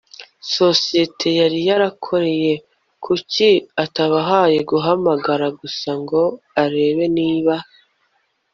sosiyete yari yarakoreye. kuki atabahaye guhamagara gusa ngo arebe niba by